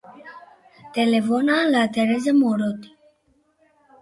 Telefona a la Teresa Morote.